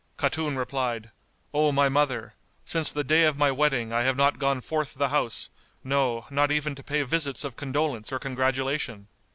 Khatun replied, "O my mother, since the day of my wedding I have not gone forth the house, no, not even to pay visits of condolence or congratulation."